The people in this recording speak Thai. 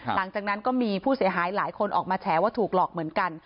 หลังจากนั้นก็มีผู้เสียหายหลายคนออกมาแฉว่าถูกหลอกเหมือนกัน